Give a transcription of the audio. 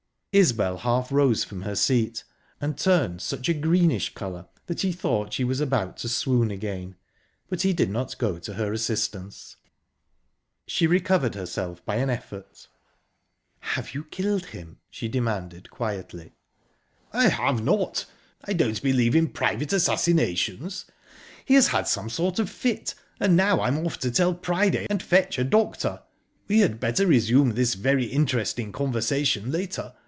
Isbel half rose from her seat, and turned such a greenish colour that he thought she was about to swoon again, but he did not go to her assistance. She recovered herself by an effort. "Have you killed him?" she demanded quietly. "I have not. I don't believe in private assassinations. He has had some sort of fit and now I'm off to tell Priday and fetch a doctor ...We had better resume this very interesting conversation later.